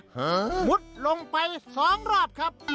มุดลงไป๒รอบครับ